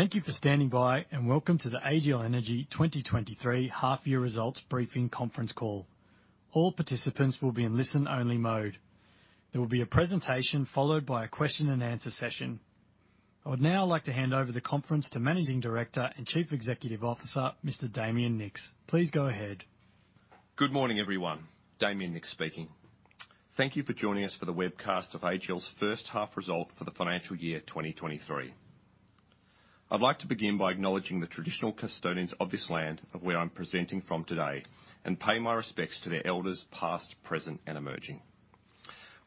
Thank you for standing by, welcome to the AGL Energy 2023 half-year results briefing conference call. All participants will be in listen-only mode. There will be a presentation followed by a question-and-answer session. I would now like to hand over the conference to Managing Director and Chief Executive Officer, Mr. Damien Nicks. Please go ahead. Good morning, everyone. Damien Nicks speaking. Thank you for joining us for the webcast of AGL's first half result for the financial year 2023. I'd like to begin by acknowledging the traditional custodians of this land of where I'm presenting from today and pay my respects to their elders past, present, and emerging.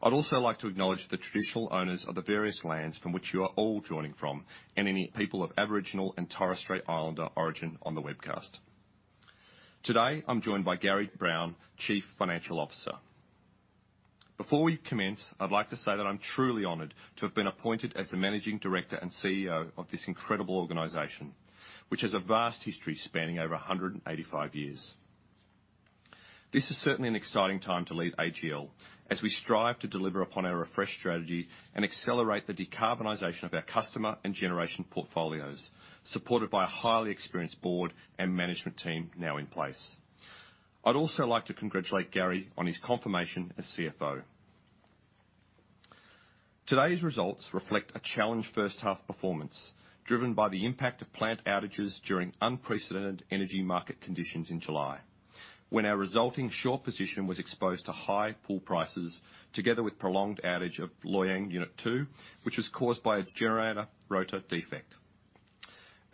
I'd also like to acknowledge the traditional owners of the various lands from which you are all joining from and any people of Aboriginal and Torres Strait Islander origin on the webcast. Today, I'm joined by Gary Brown, Chief Financial Officer. Before we commence, I'd like to say that I'm truly honored to have been appointed as the Managing Director and CEO of this incredible organization, which has a vast history spanning over 185 years. This is certainly an exciting time to lead AGL as we strive to deliver upon our refreshed strategy and accelerate the decarbonization of our customer and generation portfolios, supported by a highly experienced board and management team now in place. I'd also like to congratulate Gary on his confirmation as CFO. Today's results reflect a challenged first half performance, driven by the impact of plant outages during unprecedented energy market conditions in July, when our resulting short position was exposed to high pool prices together with prolonged outage of Loy Yang Unit 2, which was caused by a generator rotor defect.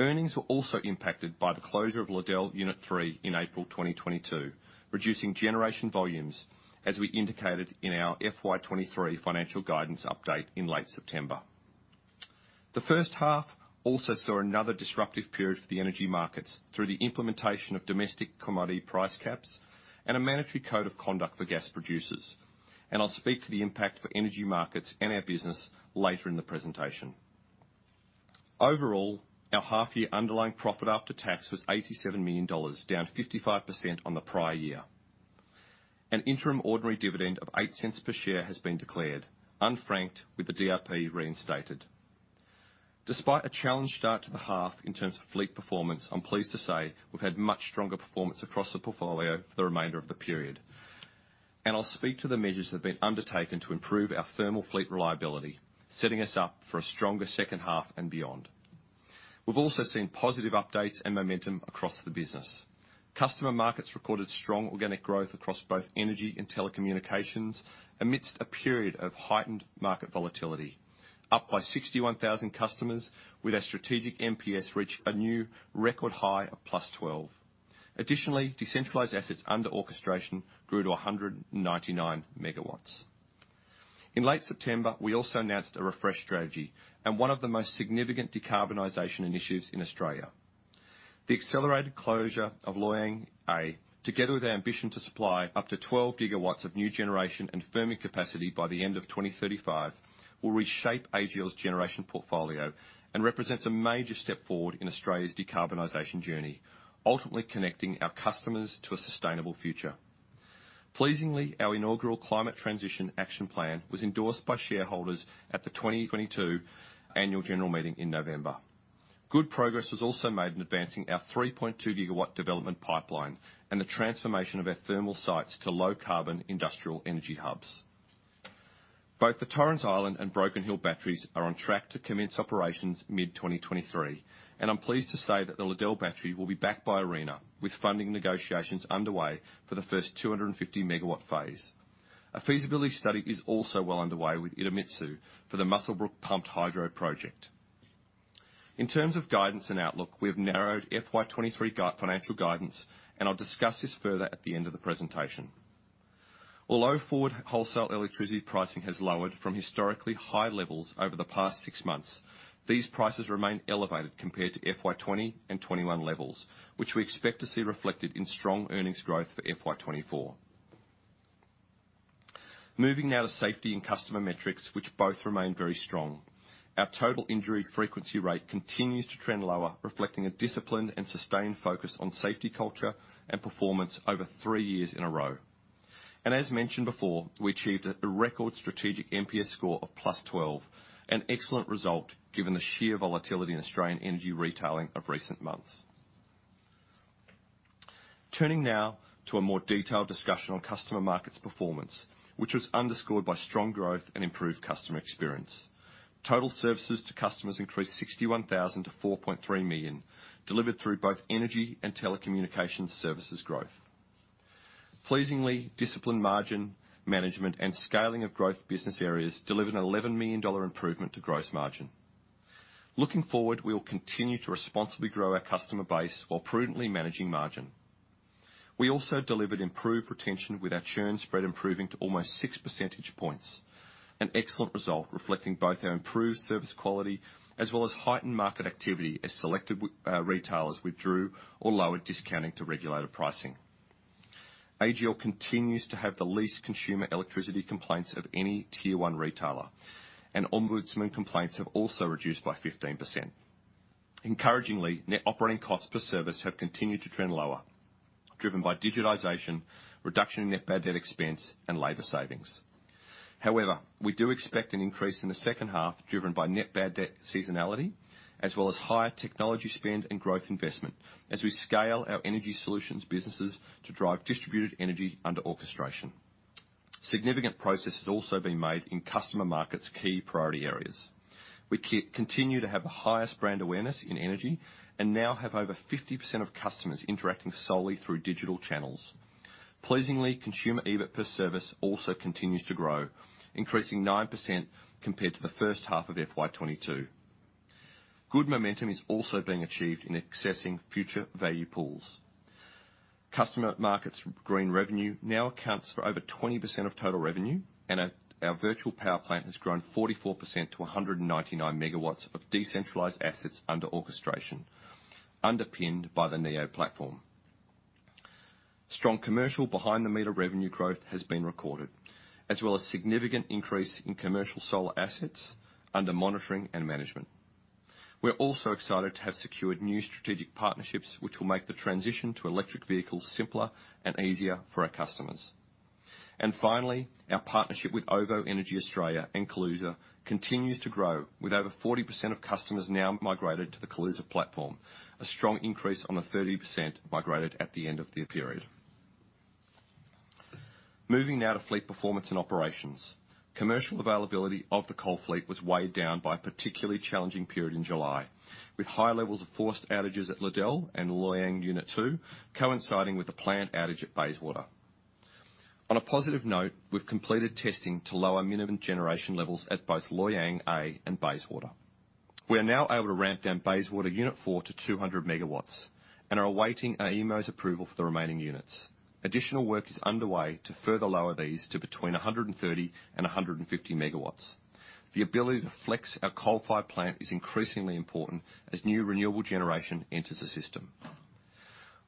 Earnings were also impacted by the closure of Liddell Unit 3 in April 2022, reducing generation volumes, as we indicated in our FY 2023 financial guidance update in late September. The first half also saw another disruptive period for the energy markets through the implementation of domestic commodity price caps and a Mandatory Gas Code of Conduct for gas producers. I'll speak to the impact for energy markets and our business later in the presentation. Overall, our half-year underlying profit after tax was 87 million dollars, down 55% on the prior year. An interim ordinary dividend of 0.08 per share has been declared, unfranked, with the DRP reinstated. Despite a challenged start to the half in terms of fleet performance, I'm pleased to say we've had much stronger performance across the portfolio for the remainder of the period. I'll speak to the measures that have been undertaken to improve our thermal fleet reliability, setting us up for a stronger second half and beyond. We've also seen positive updates and momentum across the business. Customer Markets recorded strong organic growth across both energy and telecommunications amidst a period of heightened market volatility, up by 61,000 customers, with our strategic NPS reaching a new record high of +12. Additionally, decentralized assets under orchestration grew to 199 MW. In late September, we also announced a refreshed strategy and one of the most significant decarbonization initiatives in Australia. The accelerated closure of Loy Yang A, together with our ambition to supply up to 12 GW of new generation and firming capacity by the end of 2035, will reshape AGL's generation portfolio and represents a major step forward in Australia's decarbonization journey, ultimately connecting our customers to a sustainable future. Pleasingly, our inaugural climate transition action plan was endorsed by shareholders at the 2022 Annual General Meeting in November. Good progress was also made in advancing our 3.2-GW development pipeline and the transformation of our thermal sites to low-carbon industrial energy hubs. Both the Torrens Island and Broken Hill batteries are on track to commence operations mid-2023, and I'm pleased to say that the Liddell battery will be backed by ARENA, with funding negotiations underway for the first 250 MW phase. A feasibility study is also well underway with Idemitsu for the Muswellbrook Pumped Hydro Project. In terms of guidance and outlook, we have narrowed FY 2023 financial guidance, and I'll discuss this further at the end of the presentation. Although forward wholesale electricity pricing has lowered from historically high levels over the past six months, these prices remain elevated compared to FY 2020 and FY 2021 levels, which we expect to see reflected in strong earnings growth for FY 2024. Moving now to safety and customer metrics, which both remain very strong. Our total injury frequency rate continues to trend lower, reflecting a disciplined and sustained focus on safety culture and performance over three years in a row. As mentioned before, we achieved a record strategic NPS score of +12, an excellent result given the sheer volatility in Australian energy retailing of recent months. Turning now to a more detailed discussion on Customer Markets performance, which was underscored by strong growth and improved customer experience. Total services to customers increased 61,000 to 4.3 million, delivered through both energy and telecommunications services growth. Pleasingly, disciplined margin management and scaling of growth business areas delivered an 11 million dollar improvement to gross margin. Looking forward, we will continue to responsibly grow our customer base while prudently managing margin. We also delivered improved retention with our churn spread improving to almost 6 percentage points, an excellent result reflecting both our improved service quality as well as heightened market activity as selected retailers withdrew or lowered discounting to regulated pricing. AGL continues to have the least consumer electricity complaints of any Tier 1 retailer. Ombudsman complaints have also reduced by 15%. Encouragingly, net operating costs per service have continued to trend lower. Driven by digitization, reduction in net bad debt expense, and labor savings. We do expect an increase in the second half, driven by net bad debt seasonality, as well as higher technology spend and growth investment as we scale our energy solutions businesses to drive distributed energy under orchestration. Significant progress has also been made in Customer Markets key priority areas. We continue to have the highest brand awareness in energy and now have over 50% of customers interacting solely through digital channels. Pleasingly, Consumer EBIT per service also continues to grow, increasing 9% compared to the first half of FY 2022. Good momentum is also being achieved in accessing future value pools. Customer Markets green revenue now accounts for over 20% of total revenue, and our virtual power plant has grown 44% to 199 MW of decentralized assets under orchestration, underpinned by the NEO platform. Strong commercial behind-the-meter revenue growth has been recorded, as well as significant increase in commercial solar assets under monitoring and management. We're also excited to have secured new strategic partnerships, which will make the transition to electric vehicles simpler and easier for our customers. Finally, our partnership with OVO Energy Australia and Kaluza continues to grow, with over 40% of customers now migrated to the Kaluza platform, a strong increase on the 30% migrated at the end of the period. Moving now to fleet performance and operations. Commercial availability of the coal fleet was weighed down by a particularly challenging period in July, with high levels of forced outages at Liddell and Loy Yang Unit 2 coinciding with a planned outage at Bayswater. On a positive note, we've completed testing to lower minimum generation levels at both Loy Yang A and Bayswater. We are now able to ramp down Bayswater Unit 4 to 200 MW and are awaiting AEMO's approval for the remaining units. Additional work is underway to further lower these to between 130 MW and 150 MW. The ability to flex our coal-fired plant is increasingly important as new renewable generation enters the system.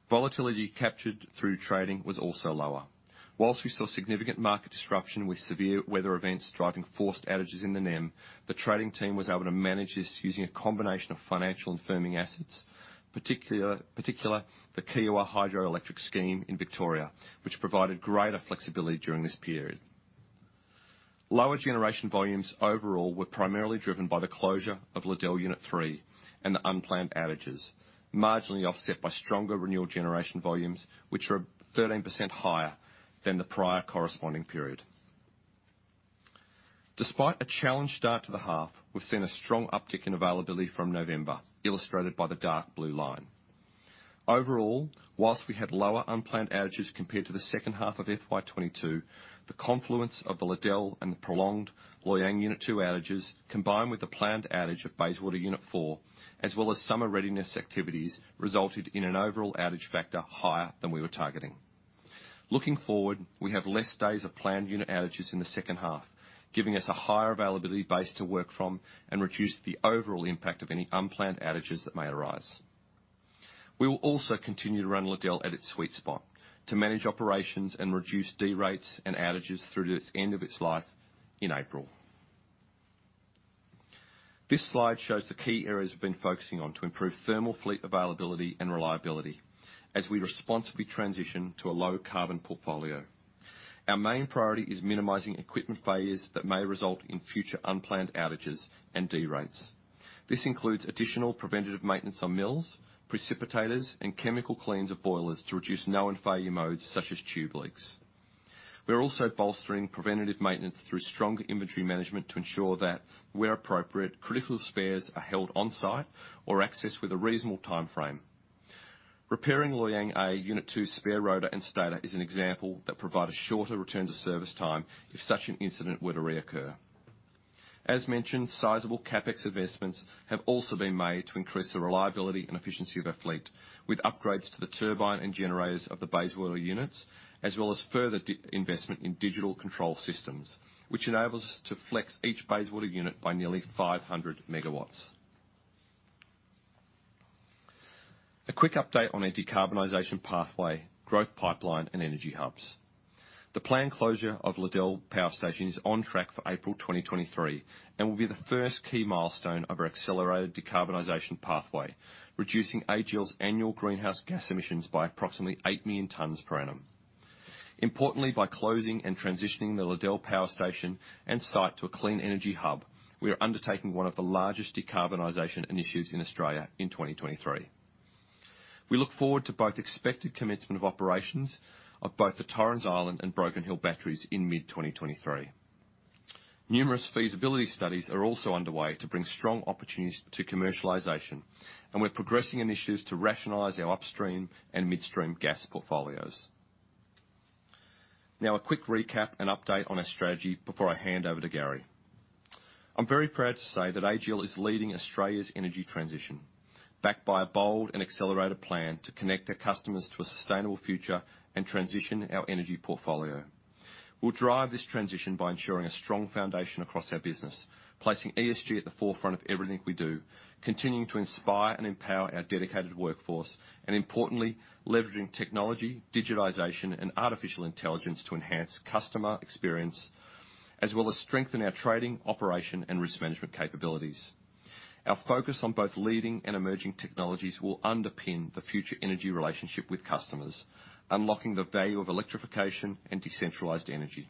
Volatility captured through trading was also lower. Whilst we saw significant market disruption with severe weather events driving forced outages in the NEM, the trading team was able to manage this using a combination of financial and firming assets, particular the Kiewa Hydroelectric Scheme in Victoria, which provided greater flexibility during this period. Lower generation volumes overall were primarily driven by the closure of Liddell Unit 3 and the unplanned outages, marginally offset by stronger renewable generation volumes, which are 13% higher than the prior corresponding period. Despite a challenged start to the half, we've seen a strong uptick in availability from November, illustrated by the dark blue line. Overall, whilst we had lower unplanned outages compared to the second half of FY 2022, the confluence of the Liddell and the prolonged Loy Yang Unit 2 outages, combined with the planned outage of Bayswater Unit 4, as well as summer readiness activities, resulted in an overall outage factor higher than we were targeting. Looking forward, we have less days of planned unit outages in the second half, giving us a higher availability base to work from and reduce the overall impact of any unplanned outages that may arise. We will also continue to run Liddell at its sweet spot to manage operations and reduce derates and outages through to its end of its life in April. This slide shows the key areas we've been focusing on to improve thermal fleet availability and reliability as we responsibly transition to a low-carbon portfolio. Our main priority is minimizing equipment failures that may result in future unplanned outages and derates. This includes additional preventative maintenance on mills, precipitators, and chemical cleans of boilers to reduce known failure modes such as tube leaks. We are also bolstering preventative maintenance through stronger inventory management to ensure that, where appropriate, critical spares are held on-site or accessed with a reasonable timeframe. Repairing Loy Yang A Unit Two spare rotor and stator is an example that provide a shorter return to service time if such an incident were to reoccur. As mentioned, sizable CapEx investments have also been made to increase the reliability and efficiency of our fleet with upgrades to the turbine and generators of the Bayswater units, as well as further investment in digital control systems, which enable us to flex each Bayswater unit by nearly 500 MW. A quick update on our decarbonization pathway, growth pipeline, and energy hubs. The planned closure of Liddell Power Station is on track for April 2023 and will be the first key milestone of our accelerated decarbonization pathway, reducing AGL's annual greenhouse gas emissions by approximately 8 million tons per annum. Importantly, by closing and transitioning the Liddell Power Station and site to a clean energy hub, we are undertaking one of the largest decarbonization initiatives in Australia in 2023. We look forward to both expected commencement of operations of both the Torrens Island and Broken Hill batteries in mid-2023. Numerous feasibility studies are also underway to bring strong opportunities to commercialization, and we're progressing initiatives to rationalize our upstream and midstream gas portfolios. Now a quick recap and update on our strategy before I hand over to Gary. I'm very proud to say that AGL is leading Australia's energy transition, backed by a bold and accelerated plan to connect our customers to a sustainable future and transition our energy portfolio. We'll drive this transition by ensuring a strong foundation across our business, placing ESG at the forefront of everything we do, continuing to inspire and empower our dedicated workforce, and importantly, leveraging technology, digitization, and artificial intelligence to enhance customer experience, as well as strengthen our trading, operation, and risk management capabilities. Our focus on both leading and emerging technologies will underpin the future energy relationship with customers, unlocking the value of electrification and decentralized energy.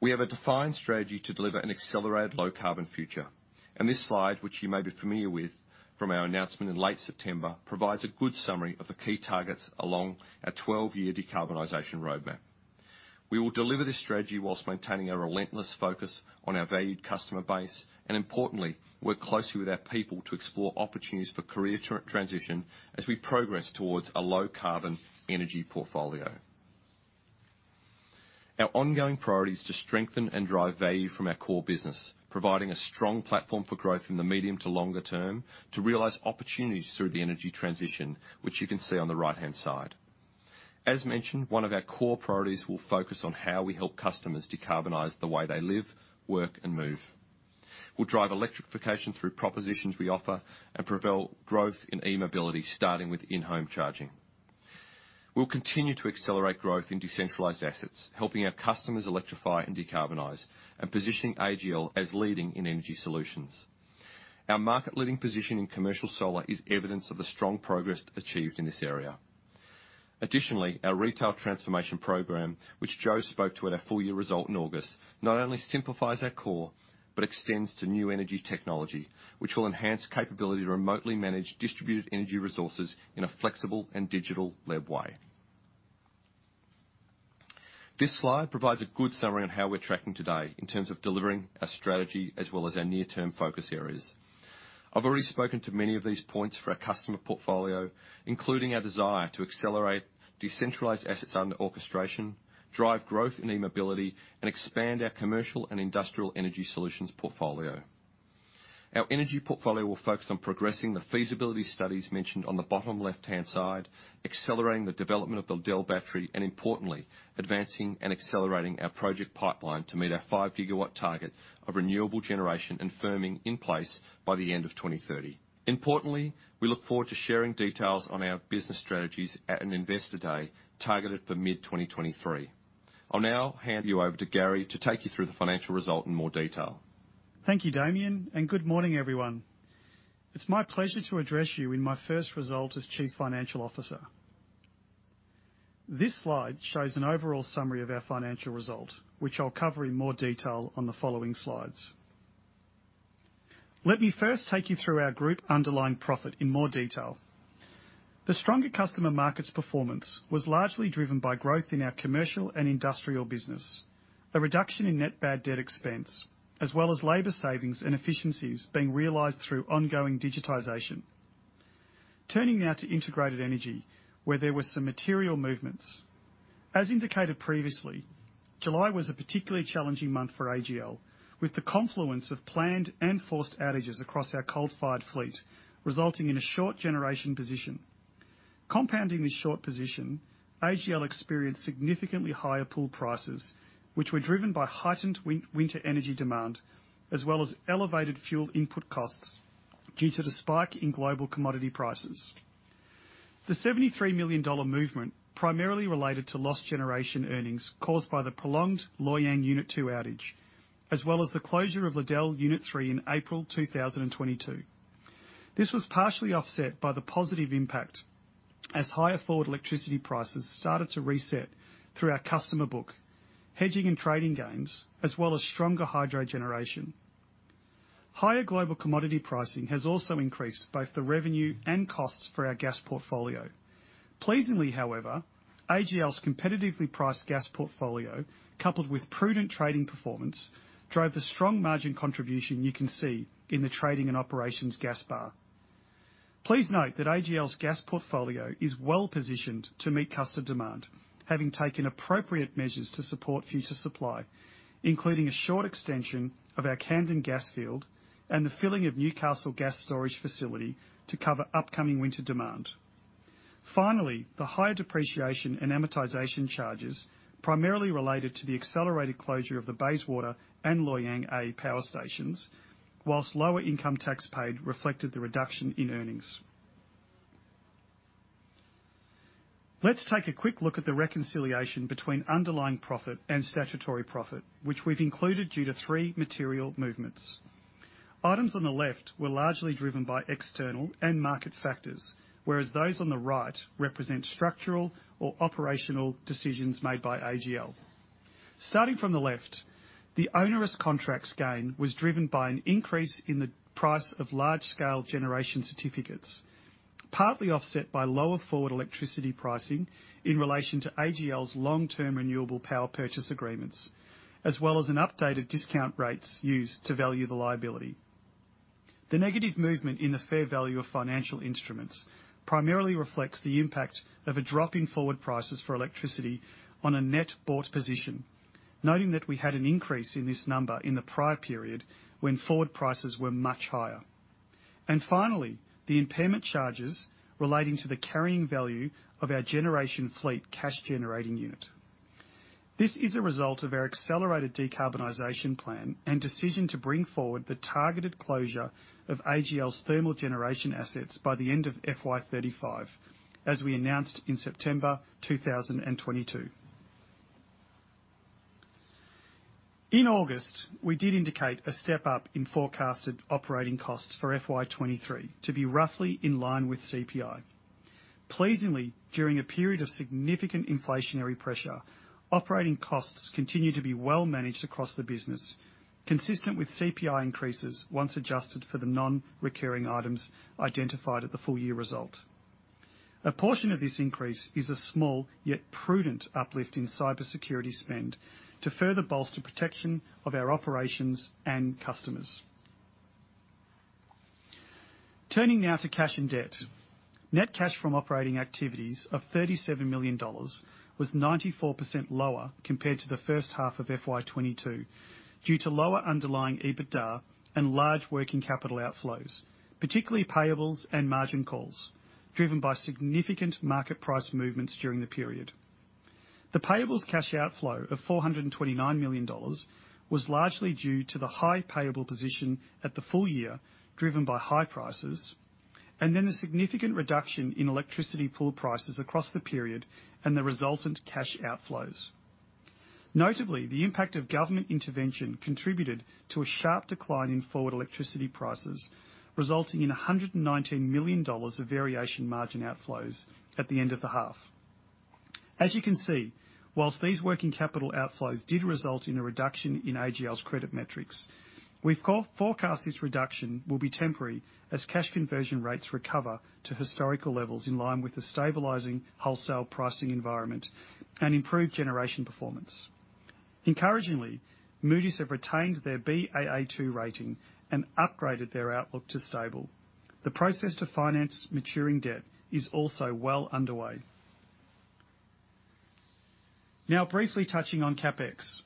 We have a defined strategy to deliver an accelerated low carbon future. This slide, which you may be familiar with from our announcement in late September, provides a good summary of the key targets along our 12-year decarbonization roadmap. We will deliver this strategy while maintaining a relentless focus on our valued customer base, and importantly, work closely with our people to explore opportunities for career transition as we progress towards a low carbon energy portfolio. Our ongoing priority is to strengthen and drive value from our core business, providing a strong platform for growth in the medium to longer term to realize opportunities through the energy transition, which you can see on the right-hand side. As mentioned, one of our core priorities will focus on how we help customers decarbonize the way they live, work, and move. We'll drive electrification through propositions we offer and propel growth in e-mobility, starting with in-home charging. We'll continue to accelerate growth in decentralized assets, helping our customers electrify and decarbonize, and positioning AGL as leading in energy solutions. Our market-leading position in commercial solar is evidence of the strong progress achieved in this area. Our retail transformation program, which Jo spoke to at our full year result in August, not only simplifies our core, but extends to new energy technology, which will enhance capability to remotely manage distributed energy resources in a flexible and digital-led way. This slide provides a good summary on how we're tracking today in terms of delivering our strategy as well as our near-term focus areas. I've already spoken to many of these points for our customer portfolio, including our desire to accelerate decentralized assets under orchestration, drive growth in e-mobility, and expand our commercial and industrial energy solutions portfolio. Our energy portfolio will focus on progressing the feasibility studies mentioned on the bottom left-hand side, accelerating the development of the Liddell battery, importantly, advancing and accelerating our project pipeline to meet our 5-GW target of renewable generation and firming in place by the end of 2030. Importantly, we look forward to sharing details on our business strategies at an investor day targeted for mid-2023. I'll now hand you over to Gary to take you through the financial result in more detail. Thank you, Damien, and good morning, everyone. It's my pleasure to address you in my first result as Chief Financial Officer. This slide shows an overall summary of our financial result, which I'll cover in more detail on the following slides. Let me first take you through our group underlying profit in more detail. The stronger Customer Markets performance was largely driven by growth in our commercial and industrial business, a reduction in net bad debt expense, as well as labor savings and efficiencies being realized through ongoing digitization. Turning now to Integrated Energy, where there were some material movements. As indicated previously, July was a particularly challenging month for AGL, with the confluence of planned and forced outages across our coal-fired fleet, resulting in a short generation position. Compounding this short position, AGL experienced significantly higher pool prices, which were driven by heightened winter energy demand, as well as elevated fuel input costs due to the spike in global commodity prices. The AUD 73 million movement primarily related to lost generation earnings caused by the prolonged Loy Yang Unit 2 outage, as well as the closure of Liddell Unit 3 in April 2022. This was partially offset by the positive impact as higher forward electricity prices started to reset through our customer book, hedging and trading gains, as well as stronger hydro generation. Higher global commodity pricing has also increased both the revenue and costs for our gas portfolio. Pleasingly, however, AGL's competitively priced gas portfolio, coupled with prudent trading performance, drove the strong margin contribution you can see in the trading and operations gas bar. Please note that AGL's gas portfolio is well-positioned to meet customer demand, having taken appropriate measures to support future supply, including a short extension of our Camden gas field and the filling of Newcastle Gas Storage Facility to cover upcoming winter demand. Finally, the higher depreciation and amortization charges primarily related to the accelerated closure of the Bayswater and Loy Yang A power stations, whilst lower income tax paid reflected the reduction in earnings. Let's take a quick look at the reconciliation between underlying profit and statutory profit, which we've included due to three material movements. Items on the left were largely driven by external and market factors, whereas those on the right represent structural or operational decisions made by AGL. Starting from the left, the onerous contracts gain was driven by an increase in the price of large-scale generation certificates, partly offset by lower forward electricity pricing in relation to AGL's long-term renewable power purchase agreements, as well as an updated discount rates used to value the liability. The negative movement in the fair value of financial instruments primarily reflects the impact of a drop in forward prices for electricity on a net bought position. Noting that we had an increase in this number in the prior period when forward prices were much higher. Finally, the impairment charges relating to the carrying value of our generation fleet cash generating unit. This is a result of our accelerated decarbonization plan and decision to bring forward the targeted closure of AGL's thermal generation assets by the end of FY 2035, as we announced in September 2022. In August, we did indicate a step-up in forecasted operating costs for FY 2023 to be roughly in line with CPI. Pleasingly, during a period of significant inflationary pressure, operating costs continue to be well-managed across the business, consistent with CPI increases once adjusted for the non-recurring items identified at the full year result. A portion of this increase is a small yet prudent uplift in cybersecurity spend to further bolster protection of our operations and customers. Turning now to cash and debt. Net cash from operating activities of 37 million dollars was 94% lower compared to the first half of FY 2022 due to lower underlying EBITDA and large working capital outflows, particularly payables and margin calls, driven by significant market price movements during the period. The payables cash outflow of 429 million dollars was largely due to the high payable position at the full year, driven by high prices, and then the significant reduction in electricity pool prices across the period and the resultant cash outflows. Notably, the impact of government intervention contributed to a sharp decline in forward electricity prices, resulting in 119 million dollars of variation margin outflows at the end of the half. As you can see, whilst these working capital outflows did result in a reduction in AGL's credit metrics, we forecast this reduction will be temporary as cash conversion rates recover to historical levels in line with the stabilizing wholesale pricing environment and improved generation performance. Encouragingly, Moody's have retained their Baa2 rating and upgraded their outlook to stable. The process to finance maturing debt is also well underway. Now briefly touching on CapEx.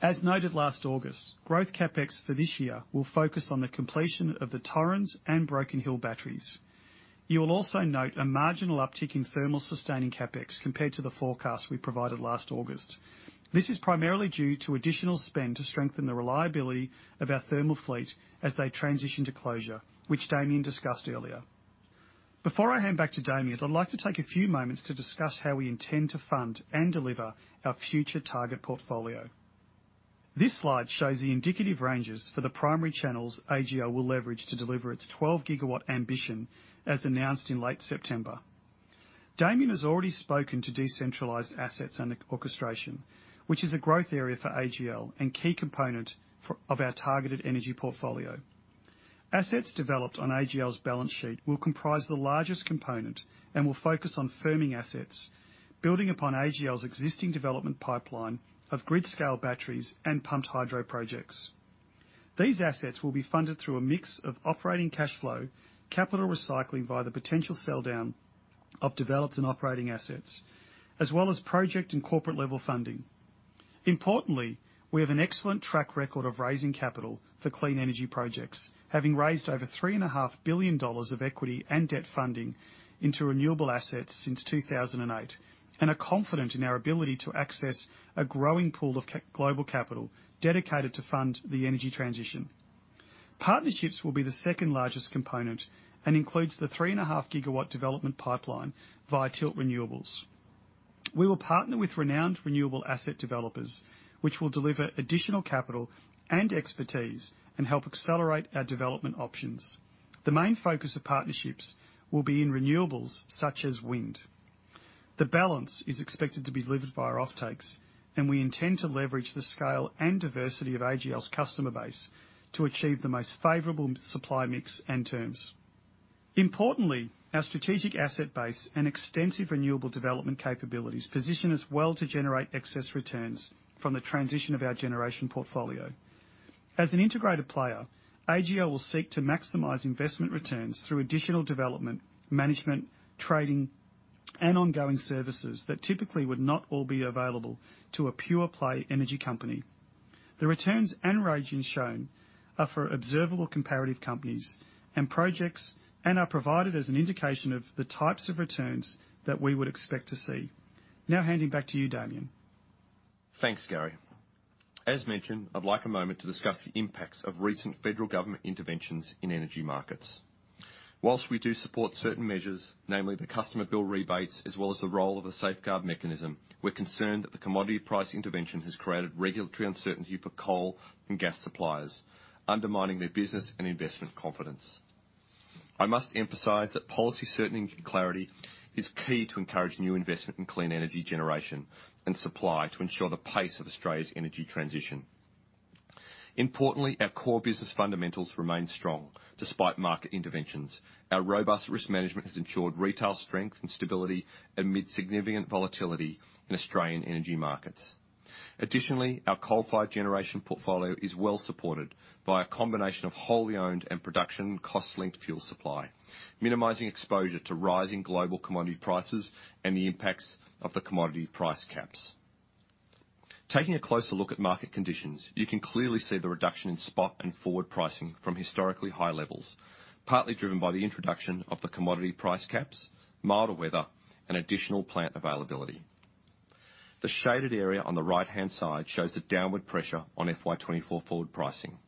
As noted last August, growth CapEx for this year will focus on the completion of the Torrens and Broken Hill batteries. You will also note a marginal uptick in thermal sustaining CapEx compared to the forecast we provided last August. This is primarily due to additional spend to strengthen the reliability of our thermal fleet as they transition to closure, which Damien discussed earlier. Before I hand back to Damien, I'd like to take a few moments to discuss how we intend to fund and deliver our future target portfolio. This slide shows the indicative ranges for the primary channels AGL will leverage to deliver its 12-GW ambition, as announced in late September. Damien has already spoken to decentralized assets and orchestration, which is a growth area for AGL and key component of our targeted energy portfolio. Assets developed on AGL's balance sheet will comprise the largest component and will focus on firming assets, building upon AGL's existing development pipeline of grid-scale batteries and pumped hydro projects. These assets will be funded through a mix of operating cash flow, capital recycling via the potential sell-down of developed and operating assets, as well as project and corporate-level funding. Importantly, we have an excellent track record of raising capital for clean energy projects, having raised overAUD 3.5 billion of equity and debt funding into renewable assets since 2008, and are confident in our ability to access a growing pool of global capital dedicated to fund the energy transition. Partnerships will be the second-largest component and includes the 3.5-GW development pipeline via Tilt Renewables. We will partner with renowned renewable asset developers, which will deliver additional capital and expertise and help accelerate our development options. The main focus of partnerships will be in renewables such as wind. The balance is expected to be delivered via offtakes, we intend to leverage the scale and diversity of AGL's customer base to achieve the most favorable supply mix and terms. Importantly, our strategic asset base and extensive renewable development capabilities position us well to generate excess returns from the transition of our generation portfolio. As an integrated player, AGL will seek to maximize investment returns through additional development, management, trading, and ongoing services that typically would not all be available to a pure-play energy company. The returns and range shown are for observable comparative companies and projects and are provided as an indication of the types of returns that we would expect to see. Now handing back to you, Damien. Thanks, Gary. As mentioned, I'd like a moment to discuss the impacts of recent federal government interventions in energy markets. Whilst we do support certain measures, namely the customer bill rebates, as well as the role of a Safeguard Mechanism, we're concerned that the commodity price intervention has created regulatory uncertainty for coal and gas suppliers, undermining their business and investment confidence. I must emphasize that policy certainty and clarity is key to encourage new investment in clean energy generation and supply to ensure the pace of Australia's energy transition. Importantly, our core business fundamentals remain strong despite market interventions. Our robust risk management has ensured retail strength and stability amid significant volatility in Australian energy markets. Additionally, our coal-fired generation portfolio is well supported by a combination of wholly owned and production cost-linked fuel supply, minimizing exposure to rising global commodity prices and the impacts of the commodity price caps. Taking a closer look at market conditions, you can clearly see the reduction in spot and forward pricing from historically high levels, partly driven by the introduction of the commodity price caps, milder weather, and additional plant availability. The shaded area on the right-hand side shows the downward pressure on FY 2024 forward pricing,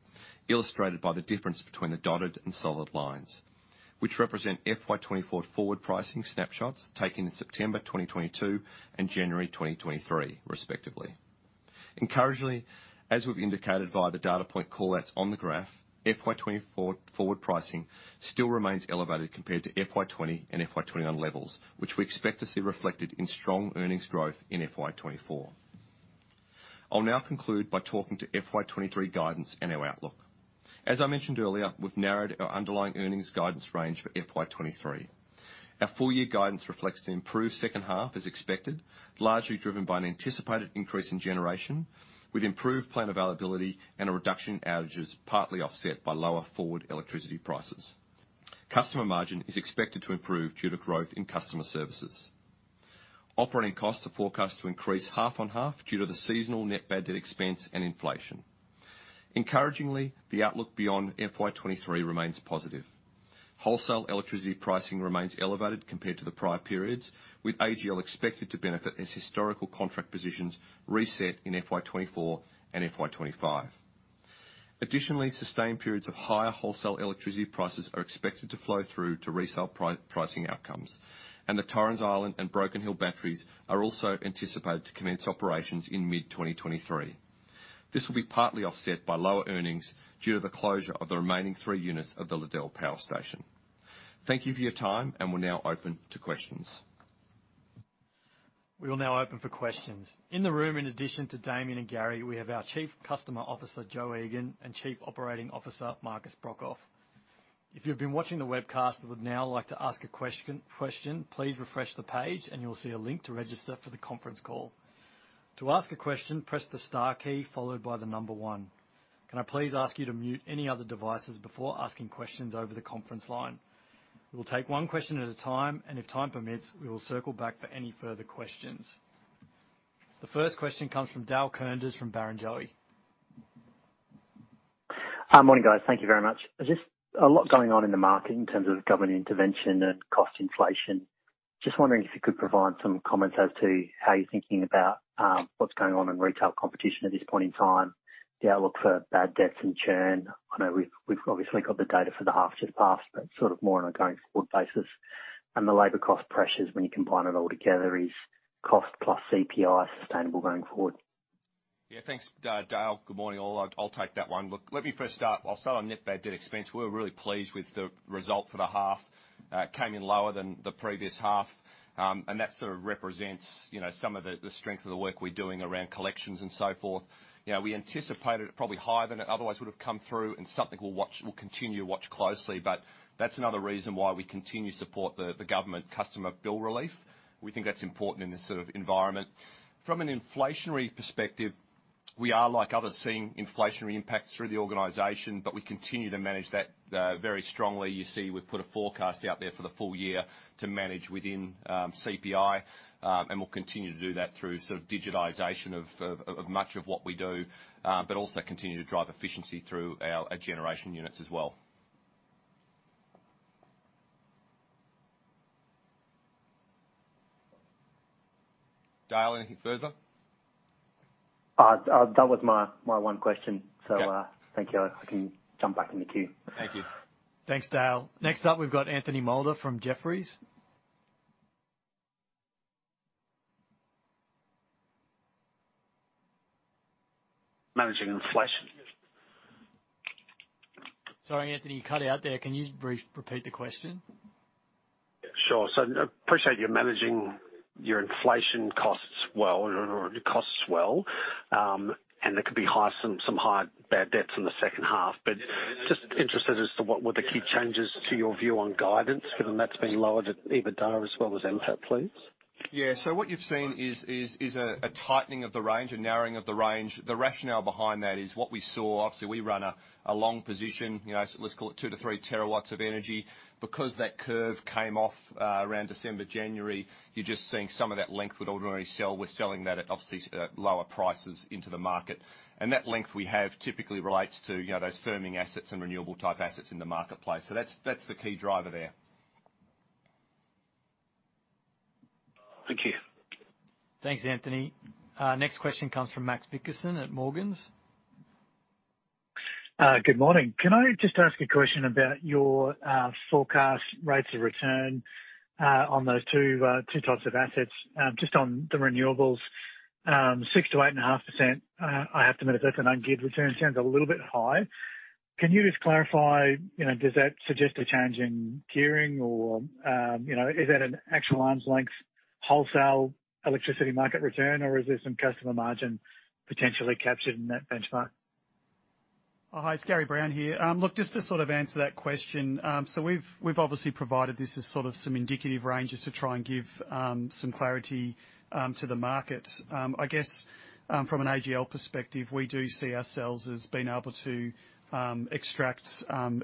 illustrated by the difference between the dotted and solid lines, which represent FY 2024 forward pricing snapshots taken in September 2022 and January 2023, respectively. Encouragingly, as we've indicated via the data point call-outs on the graph, FY 2024 forward pricing still remains elevated compared to FY 2020 and FY 2021 levels, which we expect to see reflected in strong earnings growth in FY 2024. I'll now conclude by talking to FY 2023 guidance and our outlook. As I mentioned earlier, we've narrowed our underlying earnings guidance range for FY 2023. Our full-year guidance reflects the improved second half as expected, largely driven by an anticipated increase in generation, with improved plant availability and a reduction in outages partly offset by lower forward electricity prices. Customer margin is expected to improve due to growth in customer services. Operating costs are forecast to increase half-on-half due to the seasonal net bad debt expense and inflation. Encouragingly, the outlook beyond FY 2023 remains positive. Wholesale electricity pricing remains elevated compared to the prior periods, with AGL expected to benefit as historical contract positions reset in FY 2024 and FY 2025. Additionally, sustained periods of higher wholesale electricity prices are expected to flow through to resale pricing outcomes, and the Torrens Island and Broken Hill batteries are also anticipated to commence operations in mid-2023. This will be partly offset by lower earnings due to the closure of the remaining three units of the Liddell Power Station. Thank you for your time, and we'll now open to questions. We will now open for questions. In the room, in addition to Damien and Gary, we have our Chief Customer Officer, Jo Egan, and Chief Operating Officer, Markus Brokhof. If you've been watching the webcast and would now like to ask a question, please refresh the page and you'll see a link to register for the conference call. To ask a question, press the star key followed by the number one. Can I please ask you to mute any other devices before asking questions over the conference line? We will take one question at a time, and if time permits, we will circle back for any further questions. The first question comes from Dale Koenders from Barrenjoey. Morning, guys. Thank you very much. There's just a lot going on in the market in terms of government intervention and cost inflation. Just wondering if you could provide some comments as to how you're thinking about what's going on in retail competition at this point in time, the outlook for bad debts and churn? I know we've obviously got the data for the half just passed, but sort of more on a going forward basis. The labor cost pressures when you combine it all together, is cost plus CPI sustainable going forward? Thanks, Dale. Good morning all. I'll take that one. Let me first start. I'll start on net bad debt expense. We're really pleased with the result for the half. It came in lower than the previous half. That sort of represents, you know, some of the strength of the work we're doing around collections and so forth. You know, we anticipated it probably higher than it otherwise would have come through and something we'll continue to watch closely. That's another reason why we continue to support the government customer bill relief. We think that's important in this sort of environment. From an inflationary perspective, we are, like others, seeing inflationary impacts through the organization, but we continue to manage that very strongly. You see, we've put a forecast out there for the full year to manage within, CPI, and we'll continue to do that through sort of digitization of much of what we do, but also continue to drive efficiency through our generation units as well. Dale, anything further? That was my 1 question. Yeah. Thank you. I can jump back in the queue. Thank you. Thanks, Dale. Next up, we've got Anthony Moulder from Jefferies. Managing inflation. Sorry, Anthony, you cut out there. Can you repeat the question? I appreciate you're managing your inflation costs well, or your costs well, and there could be some high bad debts in the second half. Just interested as to what were the key changes to your view on guidance, given that's been lowered at EBITDA as well as NPAT, please. What you've seen is a tightening of the range and narrowing of the range. The rationale behind that is what we saw. Obviously, we run a long position, you know, let's call it 2 TW-3 TW of energy. Because that curve came off around December, January, you're just seeing some of that length we'd ordinarily sell, we're selling that at, obviously, lower prices into the market. That length we have typically relates to, you know, those firming assets and renewable type assets in the marketplace. That's the key driver there. Thank you. Thanks, Anthony. Next question comes from Max Vickerson at Morgans. Good morning. Can I just ask a question about your forecast rates of return on those two types of assets? Just on the renewables, 6% to 8.5%, I have to admit, if that's an ungeared return, sounds a little bit high. Can you just clarify, you know, does that suggest a change in gearing or, you know, is that an actual arm's length wholesale electricity market return, or is there some customer margin potentially captured in that benchmark? Oh, hi, it's Gary Brown here. Look, just to sort of answer that question. We've obviously provided this as sort of some indicative ranges to try and give some clarity to the market. I guess from an AGL perspective, we do see ourselves as being able to extract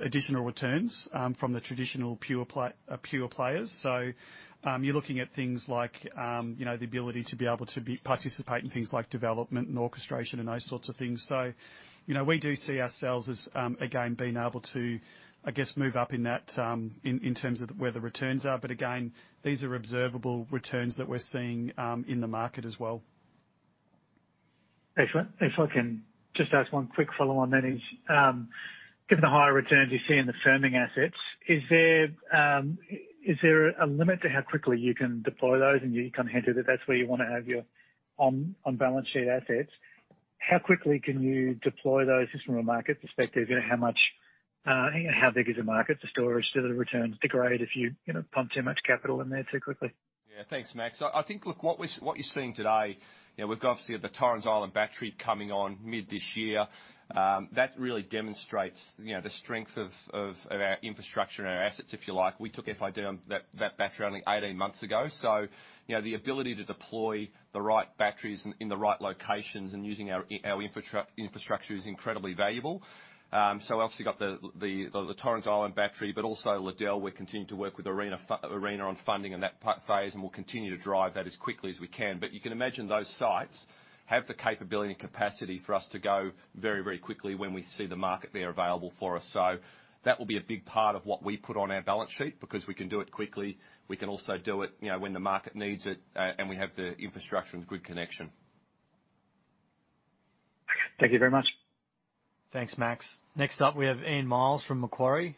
additional returns from the traditional pure players. You're looking at things like, you know, the ability to be able to participate in things like development and orchestration and those sorts of things. You know, we do see ourselves as again, being able to, I guess, move up in that in terms of the, where the returns are. Again, these are observable returns that we're seeing in the market as well. Excellent. If I can just ask 1 quick follow on then, each. Given the higher returns you see in the firming assets, is there a limit to how quickly you can deploy those? You kind of hinted that that's where you wanna have your on balance sheet assets. How quickly can you deploy those just from a market perspective? You know, how much, how big is the market for storage? Do the returns degrade if you know, pump too much capital in there too quickly? Yeah. Thanks, Max. I think look what you're seeing today, you know, we've obviously got the Torrens Island battery coming on mid this year. That really demonstrates, you know, the strength of our infrastructure and our assets, if you like. We took FID on that battery only 18 months ago. You know, the ability to deploy the right batteries in the right locations and using our infrastructure is incredibly valuable. We obviously got the Torrens Island battery, but also Liddell, we're continuing to work with ARENA on funding in that phase, and we'll continue to drive that as quickly as we can. You can imagine those sites have the capability and capacity for us to go very, very quickly when we see the market there available for us. That will be a big part of what we put on our balance sheet, because we can do it quickly, we can also do it, you know, when the market needs it, and we have the infrastructure and grid connection. Thank you very much. Thanks, Max. Next up, we have Ian Myles from Macquarie.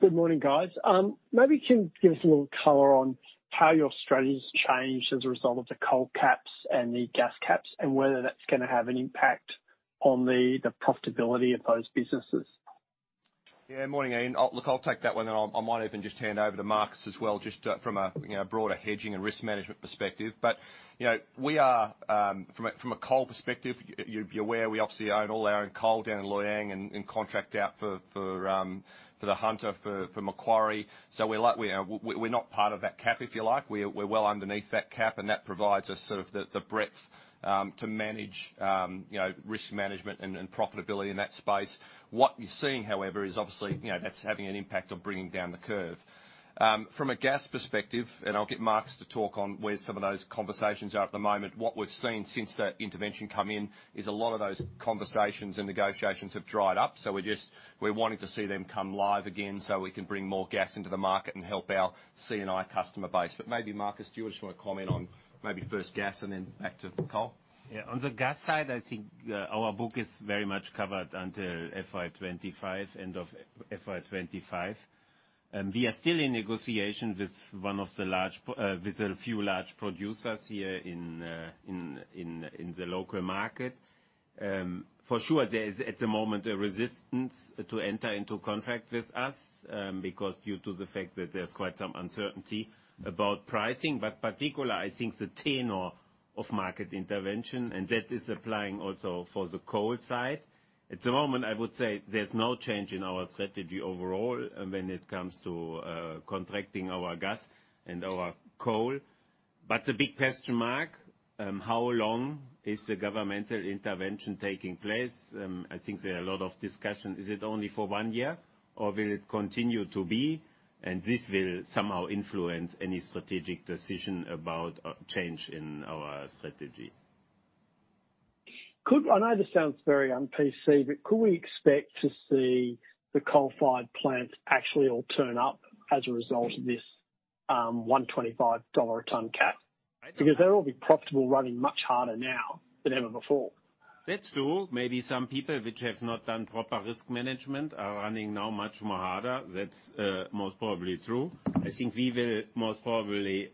Good morning, guys. Maybe you can give us a little color on how your strategy's changed as a result of the coal caps and the gas caps, and whether that's gonna have an impact on the profitability of those businesses? Morning, Ian. Look, I might even just hand over to Markus as well, just from a, you know, broader hedging and risk management perspective. You know, we are from a coal perspective, you're aware we obviously own all our own coal down in Loy Yang and contract out for the Hunter for Macquarie. We're not part of that cap, if you like. We're well underneath that cap, and that provides us sort of the breadth to manage, you know, risk management and profitability in that space. What you're seeing, however, is obviously, you know, that's having an impact of bringing down the curve. From a gas perspective, and I'll get Markus to talk on where some of those conversations are at the moment, what we've seen since that intervention come in is a lot of those conversations and negotiations have dried up. We're wanting to see them come live again so we can bring more gas into the market and help our C&I customer base. Maybe, Markus, do you just wanna comment on maybe first gas and then back to coal? On the gas side, I think, our book is very much covered until FY 2025, end of FY 2025. We are still in negotiation with one of the large, with a few large producers here in the local market. For sure, there is at the moment a resistance to enter into contract with us, because due to the fact that there's quite some uncertainty about pricing, but particular, I think the tenor of market intervention, and that is applying also for the coal side. At the moment, I would say there's no change in our strategy overall when it comes to contracting our gas and our coal. The big question mark, how long is the governmental intervention taking place? I think there are a lot of discussion. Is it only for one year or will it continue to be? This will somehow influence any strategic decision about a change in our strategy. I know this sounds very un-PC, but could we expect to see the coal-fired plants actually all turn up as a result of this, 125 dollar a ton cap? They'll all be profitable running much harder now than ever before. That's true. Maybe some people which have not done proper risk management are running now much more harder. That's most probably true. I think we will most probably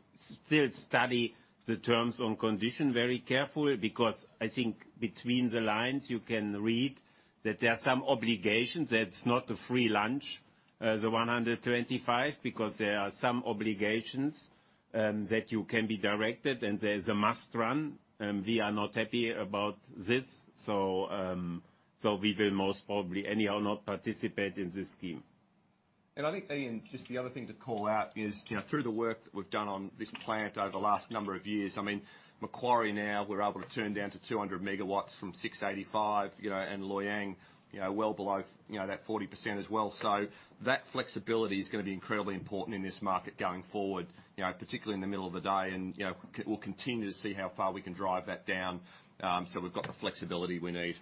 still study the terms and condition very carefully because I think between the lines you can read that there are some obligations that's not a free lunch, the 125, because there are some obligations, that you can be directed and there's a must-run, and we are not happy about this. We will most probably anyhow not participate in this scheme. I think, Ian, just the other thing to call out is, you know, through the work that we've done on this plant over the last number of years, I mean, Macquarie now we're able to turn down to 200 MW from 685, you know, and Loy Yang, you know, well below, you know, that 40% as well. That flexibility is gonna be incredibly important in this market going forward, you know, particularly in the middle of the day. You know, we'll continue to see how far we can drive that down, so we've got the flexibility we need.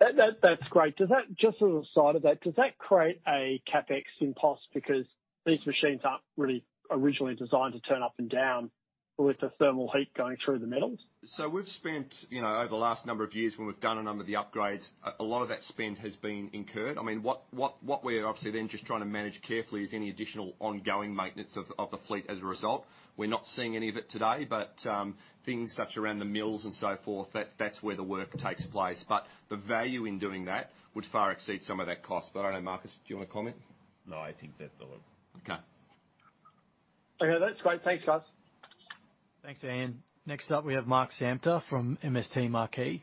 That's great. Just as a side of that, does that create a CapEx impulse because these machines aren't really originally designed to turn up and down with the thermal heat going through the metals? We've spent, you know, over the last number of years when we've done a number of the upgrades, a lot of that spend has been incurred. I mean, what we're obviously then just trying to manage carefully is any additional ongoing maintenance of the fleet as a result. We're not seeing any of it today, but things such around the mills and so forth, that's where the work takes place. The value in doing that would far exceed some of that cost. I don't know, Markus, do you wanna comment? No, I think that's all. Okay. Okay. That's great. Thanks, guys. Thanks, Ian. Next up, we have Mark Samter from MST Marquee.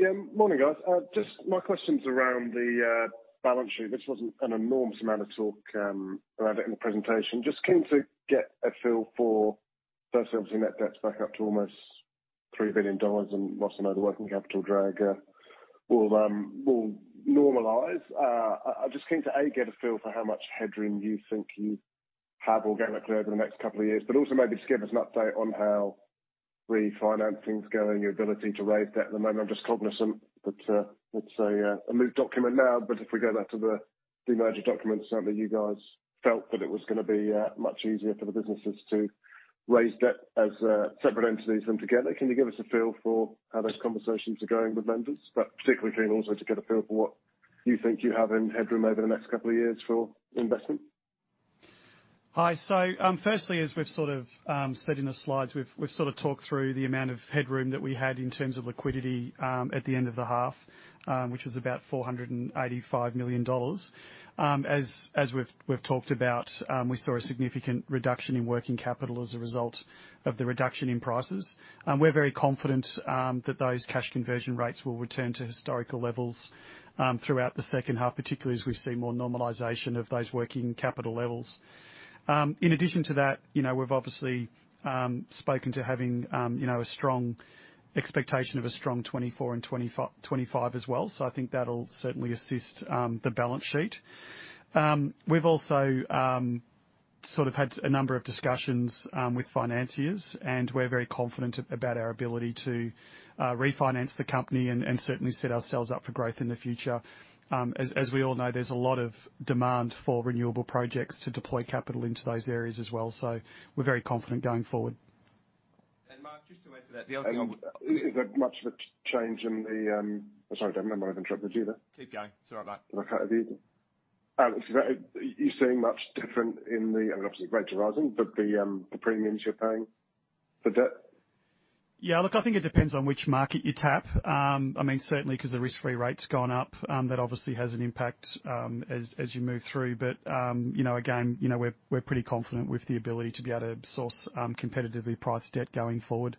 Yeah. Morning, guys. Just my question's around the balance sheet. This wasn't an enormous amount of talk about it in the presentation. Just keen to get a feel for, first obviously net debt's back up to almost 3 billion dollars, whilst I know the working capital drag will normalize, I'm just keen to, A, get a feel for how much headroom you think you have organically over the next couple of years, also maybe just give us an update on how refinancing's going, your ability to raise debt at the moment. I'm just cognizant that it's a moot document now, if we go back to the- The merger documents, certainly you guys felt that it was gonna be much easier for the businesses to raise debt as separate entities than together. Can you give us a feel for how those conversations are going with lenders? Particularly, can we also get a feel for what you think you have in headroom over the next couple of years for investment? Hi. Firstly, as we've sort of said in the slides, we've sort of talked through the amount of headroom that we had in terms of liquidity at the end of the half, which was about 485 million dollars. As we've talked about, we saw a significant reduction in working capital as a result of the reduction in prices. We're very confident that those cash conversion rates will return to historical levels throughout the second half, particularly as we see more normalization of those working capital levels. In addition to that, you know, we've obviously spoken to having, you know, a strong expectation of a strong 2024 and 2025 as well. I think that'll certainly assist the balance sheet. We've also sort of had a number of discussions with financiers, and we're very confident about our ability to refinance the company and certainly set ourselves up for growth in the future. As we all know, there's a lot of demand for renewable projects to deploy capital into those areas as well. We're very confident going forward. Mark, just to add to that. The other thing I would- Is there much of a change in the... Sorry, Damien, I didn't mean to interrupt you there. Keep going. It's all right, mate. Alex, are you seeing much different in the, obviously rates are rising, but the premiums you're paying for debt? Yeah. Look, I think it depends on which market you tap. I mean, certainly 'cause the risk-free rate's gone up, that obviously has an impact, as you move through. You know, again, you know, we're pretty confident with the ability to be able to source competitively priced debt going forward.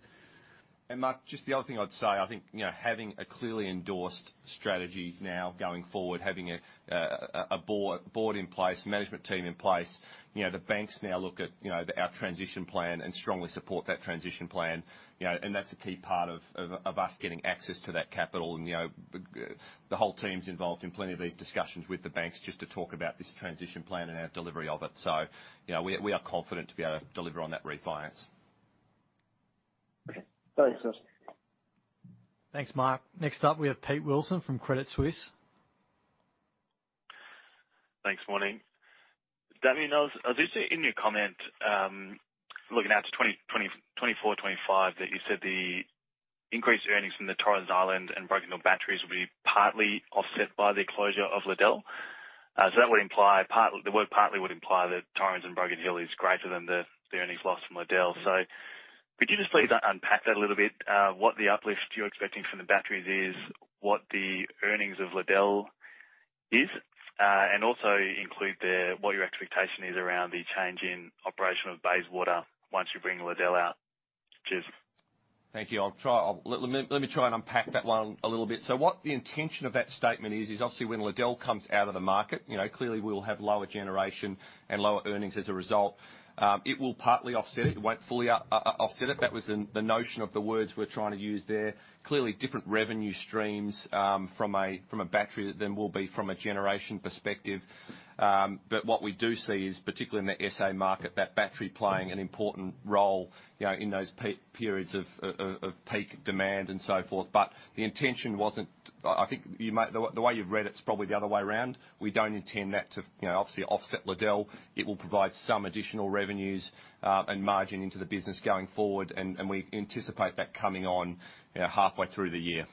Mark, just the other thing I'd say, I think, you know, having a clearly endorsed strategy now going forward, having a board in place, management team in place, you know, the banks now look at, you know, our transition plan and strongly support that transition plan, you know. That's a key part of us getting access to that capital. You know, the whole team's involved in plenty of these discussions with the banks just to talk about this transition plan and our delivery of it. You know, we are, we are confident to be able to deliver on that refinance. Okay. Thanks, Alex. Thanks, Mark. Next up, we have Peter Wilson from Credit Suisse. Thanks. Morning. Damien, I just see in your comment, looking out to 2020, 2024, 2025, that you said the increased earnings from the Torrens Island and Broken Hill batteries will be partly offset by the closure of Liddell. That would imply The word partly would imply that Torrens and Broken Hill is greater than the earnings lost from Liddell. Could you just please unpack that a little bit, what the uplift you're expecting from the batteries is, what the earnings of Liddell is, and also include what your expectation is around the change in operation of Bayswater once you bring Liddell out? Cheers. Thank you. Let me try and unpack that one a little bit. What the intention of that statement is obviously when Liddell comes out of the market, you know, clearly we will have lower generation and lower earnings as a result. It will partly offset it. It won't fully offset it. That was the notion of the words we're trying to use there. Clearly different revenue streams from a battery than there will be from a generation perspective. What we do see is, particularly in the SA market, that battery playing an important role, you know, in those periods of peak demand and so forth. The intention wasn't. I think you might. The way you've read it's probably the other way around. We don't intend that to, you know, obviously offset Liddell. It will provide some additional revenues and margin into the business going forward, and we anticipate that coming on, you know, halfway through the year.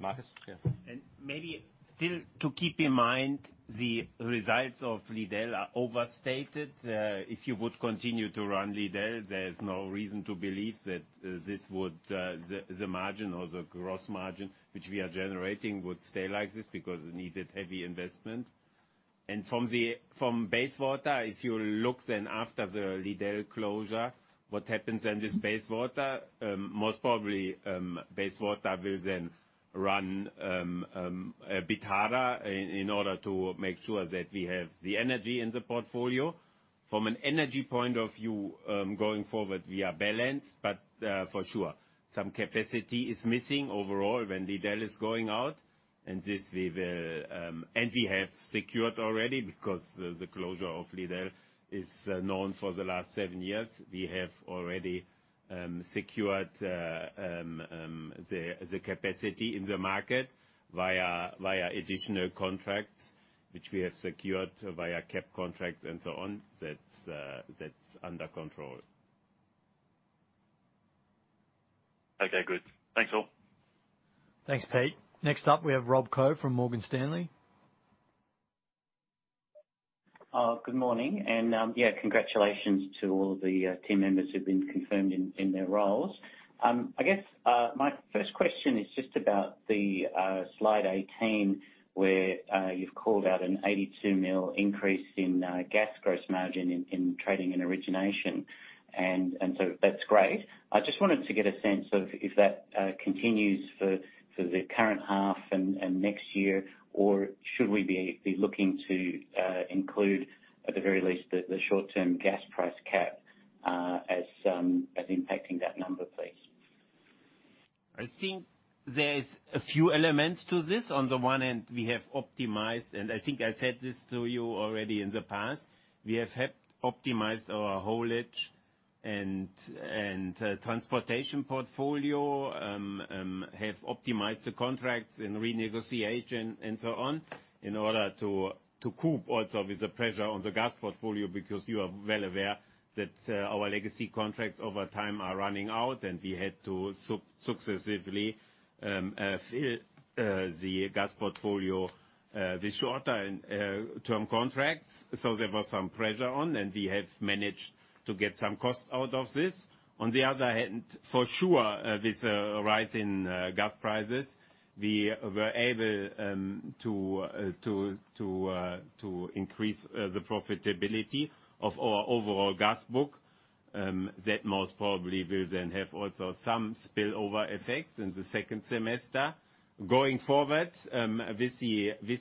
Markus? Yeah. Maybe still to keep in mind, the results of Liddell are overstated. If you would continue to run Liddell, there's no reason to believe that this would, the margin or the gross margin, which we are generating, would stay like this because it needed heavy investment. From the, from Bayswater, if you look then after the Liddell closure, what happens in this Bayswater, most probably, Bayswater will then run a bit harder in order to make sure that we have the energy in the portfolio. From an energy point of view, going forward, we are balanced, but, for sure, some capacity is missing overall when Liddell is going out, and this we will. We have secured already because the closure of Liddell is known for the last seven years. We have already secured the capacity in the market via additional contracts, which we have secured via cap contracts and so on. That's under control. Okay, good. Thanks all. Thanks, Pete. Next up, we have Rob Koh from Morgan Stanley. Good morning. Yeah, congratulations to all the team members who've been confirmed in their roles. I guess my first question is just about the slide 18, where you've called out an 82 million increase in gas gross margin in trading and origination. So that's great. I just wanted to get a sense of if that continues for the current half and next year, or should we be looking to include, at the very least, the short-term gas price cap as impacting that number, please? I think there is a few elements to this. On the one hand, we have optimized, and I think I said this to you already in the past, we have helped optimize our haulage and transportation portfolio, have optimized the contracts and renegotiation and so on in order to cope also with the pressure on the gas portfolio, because you are well aware that our legacy contracts over time are running out, and we had to successively fill the gas portfolio with shorter-term contracts. There was some pressure on, and we have managed to get some costs out of this. On the other hand, for sure, with a rise in gas prices, we were able to increase the profitability of our overall gas book. That most probably will then have also some spillover effects in the second semester. Going forward, with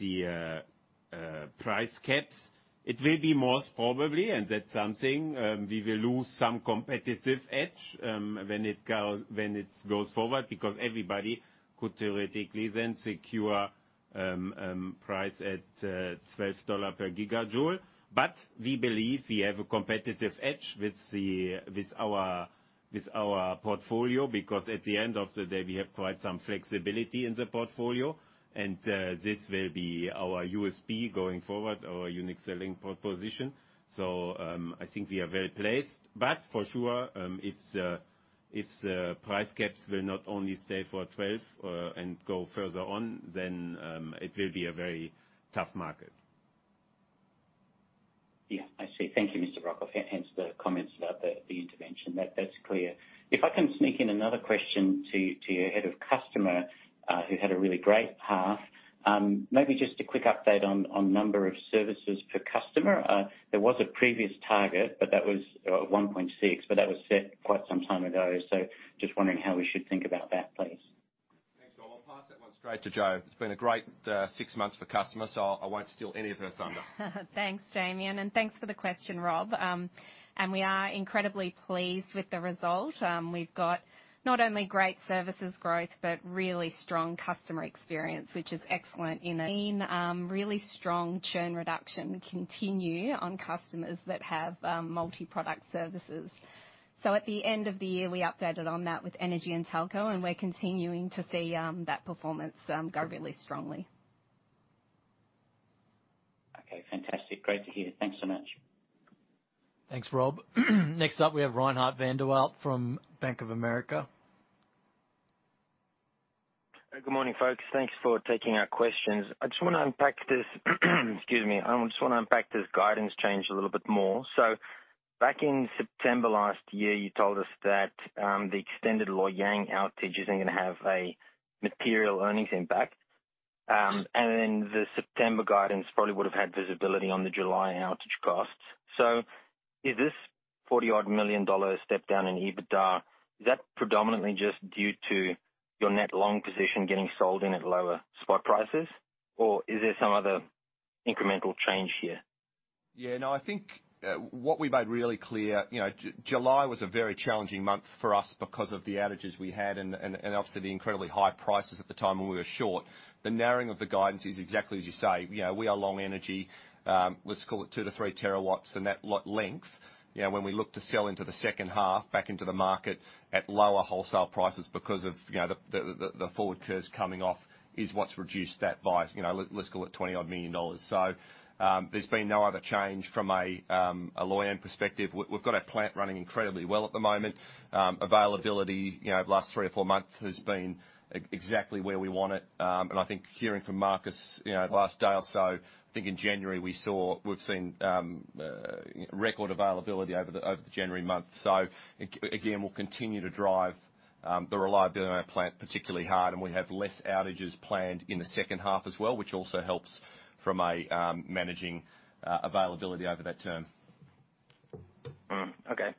the price caps, it will be most probably, and that's something, we will lose some competitive edge, when it goes forward, because everybody could theoretically then secure price at 12 dollars per gigajoule. We believe we have a competitive edge with our portfolio, because at the end of the day, we have quite some flexibility in the portfolio. This will be our USP going forward, our unique selling proposition. I think we are well placed, but for sure, if the price caps will not only stay for 12 and go further on, then it will be a very tough market. Yeah, I see. Thank you, Mr. Brokhof. Hence the comments about the intervention. That's clear. If I can sneak in another question to your Head of Customer, who had a really great half. Maybe just a quick update on number of services per customer. There was a previous target, but that was 1.6, but that was set quite some time ago. Just wondering how we should think about that, please. Thanks, Rob. I'll pass that one straight to Jo. It's been a great, six months for customer. I won't steal any of her thunder. Thanks, Damien, and thanks for the question, Rob. We are incredibly pleased with the result. We've got not only great services growth, but really strong customer experience, which is excellent. Really strong churn reduction continue on customers that have multi-product services. At the end of the year, we updated on that with Energy and Telco, and we're continuing to see that performance go really strongly. Okay, fantastic. Great to hear. Thanks so much. Thanks, Rob. Next up, we have Reinhardt van der Walt from Bank of America. Good morning, folks. Thanks for taking our questions. Excuse me. I just wanna unpack this guidance change a little bit more. Back in September last year, you told us that the extended Loy Yang outage isn't gonna have a material earnings impact. The September guidance probably would have had visibility on the July outage costs. Is this 40 odd million dollar step down in EBITDA, is that predominantly just due to your net long position getting sold in at lower spot prices? Or is there some other incremental change here? Yeah, no, I think, what we made really clear, you know, July was a very challenging month for us because of the outages we had and obviously the incredibly high prices at the time when we were short. The narrowing of the guidance is exactly as you say. You know, we are long energy, let's call it 2 TW-3 TW in that length. You know, when we look to sell into the second half back into the market at lower wholesale prices because of, you know, the forward curves coming off is what's reduced that by, you know, let's call it 20-odd million dollars. There's been no other change from a Loy Yang perspective. We've got our plant running incredibly well at the moment. Availability, you know, the last three or four months has been exactly where we want it. I think hearing from Markus, you know, the last day or so, I think in January we've seen record availability over the January month. Again, we'll continue to drive the reliability of our plant particularly hard, and we have less outages planned in the second half as well, which also helps from a managing availability over that term. Okay.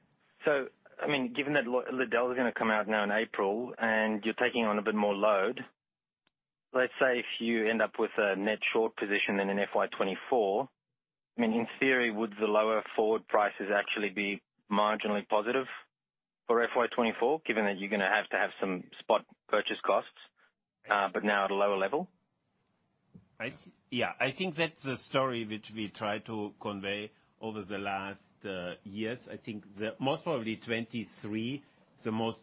I mean, given that Liddell is gonna come out now in April and you're taking on a bit more load, let's say if you end up with a net short position in an FY 2024, I mean, in theory, would the lower forward prices actually be marginally positive for FY 2024, given that you're gonna have to have some spot purchase costs, but now at a lower level? Yeah, I think that's a story which we tried to convey over the last years. I think the most probably 2023 was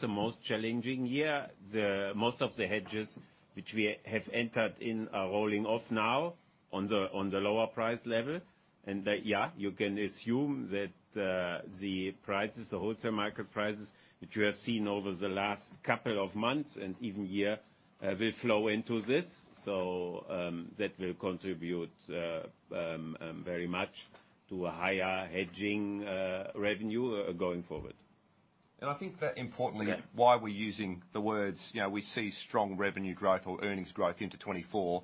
the most challenging year. The most of the hedges which we have entered in are rolling off now on the lower price level. That, yeah, you can assume that the prices, the wholesale market prices, which we have seen over the last couple of months and even year, will flow into this. That will contribute very much to a higher hedging revenue going forward. I think that importantly. Yeah. why we're using the words, you know, we see strong revenue growth or earnings growth into 2024,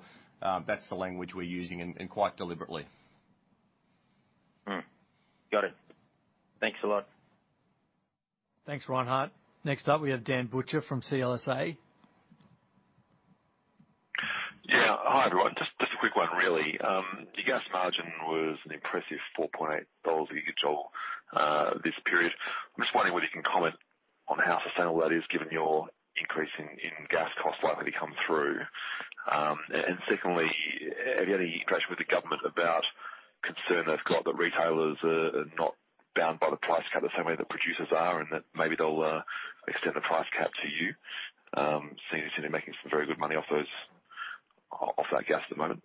that's the language we're using and quite deliberately. Got it. Thanks a lot. Thanks, Reinhardt. Next up, we have Dan Butcher from CLSA. Yeah. Hi, everyone. Just a quick one, really. Your gas margin was an impressive 4.8 dollars a gigajoule, this period. I'm just wondering whether you can comment- On how sustainable that is given your increase in gas costs likely to come through. Secondly, have you had any pressure with the government about concern they've got that retailers are not bound by the price cap the same way that producers are, and that maybe they'll extend the price cap to you, seeing as you're making some very good money off that gas at the moment?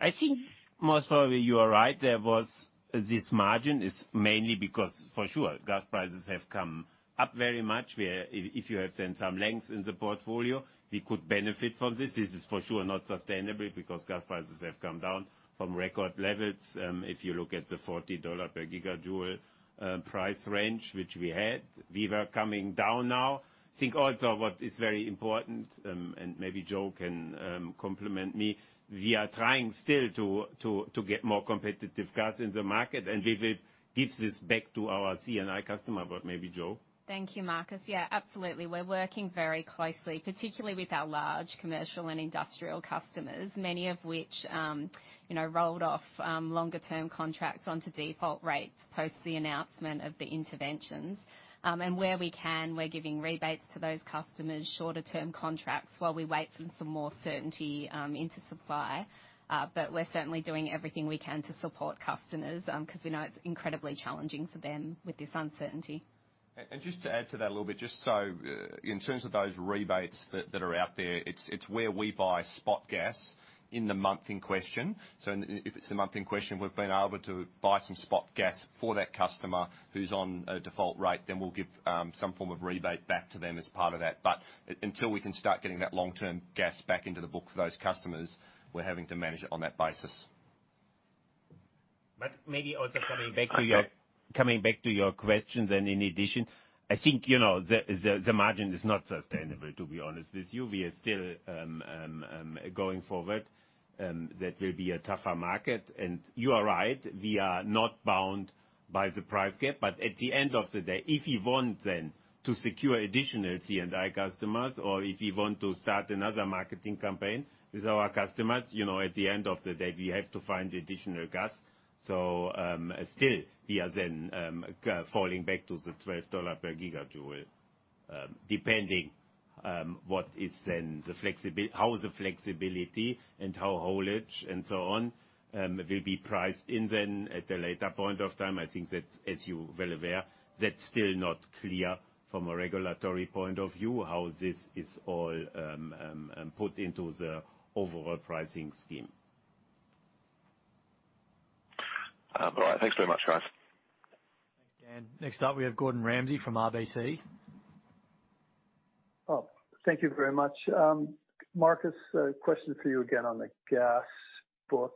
I think most probably you are right. There was this margin is mainly because for sure, gas prices have come up very much, where if you have seen some lengths in the portfolio, we could benefit from this. This is for sure not sustainable because gas prices have come down from record levels. If you look at the 40 dollar per gigajoule price range, which we had, we were coming down now. I think also what is very important, and maybe Jo can, complement me, we are trying still to get more competitive gas in the market, and we will give this back to our C&I customer. But maybe Jo. Thank you, Markus. Yeah, absolutely. We're working very closely, particularly with our large commercial and industrial customers, many of which, you know, rolled off longer-term contracts onto default rates post the announcement of the interventions. Where we can, we're giving rebates to those customers, shorter-term contracts while we wait for some more certainty into supply. We're certainly doing everything we can to support customers, 'cause we know it's incredibly challenging for them with this uncertainty. Just to add to that a little bit, just so, in terms of those rebates that are out there, it's where we buy spot gas in the month in question. If it's the month in question, we've been able to buy some spot gas for that customer who's on a default rate, then we'll give some form of rebate back to them as part of that. Until we can start getting that long-term gas back into the book for those customers, we're having to manage it on that basis. Maybe also coming back to. I- Coming back to your questions, I think the margin is not sustainable, to be honest with you. We are still going forward, that will be a tougher market. You are right, we are not bound by the price cap. At the end of the day, if you want then to secure additional C&I customers or if you want to start another marketing campaign with our customers, at the end of the day, we have to find additional gas. Still we are then falling back to the 12 dollar per gigajoule, depending what is then how the flexibility and how haulage and so on, will be priced in then at a later point of time. I think that, as you're well aware, that's still not clear from a regulatory point of view, how this is all put into the overall pricing scheme. All right. Thanks very much, guys. Thanks, Dan. Next up, we have Gordon Ramsay from RBC. Thank you very much. Markus, a question for you again on the gas book.